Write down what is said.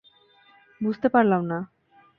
বুঝতে পারলাম না।